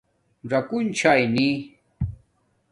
ژکُن چھانݵ